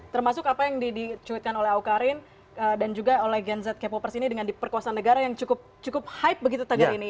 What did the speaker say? termasuk apa yang dicuitkan oleh awkarin dan juga oleh gen z k popers ini dengan diperkuasa negara yang cukup hype begitu tagar ini